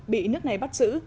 bị nước này bắt giữ